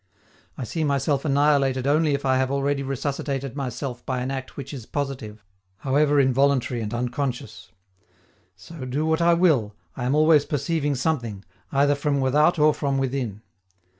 I see myself annihilated only if I have already resuscitated myself by an act which is positive, however involuntary and unconscious. So, do what I will, I am always perceiving something, either from without or from within.